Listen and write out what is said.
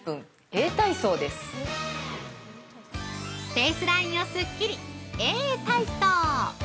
◆フェイスラインをすっきりエー体操。